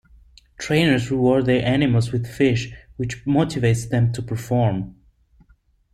Trainers reward their animals with fish, which motivates them to perform.